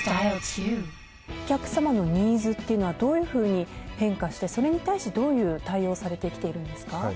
お客さまのニーズっていうのはどういうふうに変化してそれに対してどういう対応をされてきているんですか？